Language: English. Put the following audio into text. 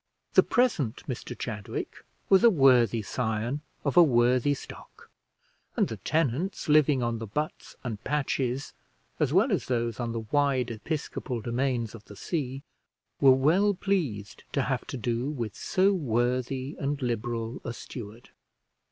The present Mr Chadwick was a worthy scion of a worthy stock, and the tenants living on the butts and patches, as well as those on the wide episcopal domains of the see, were well pleased to have to do with so worthy and liberal a steward.